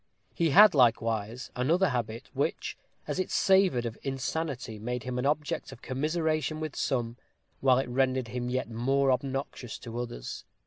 He had likewise another habit, which, as it savored of insanity, made him an object of commiseration with some, while it rendered him yet more obnoxious to others.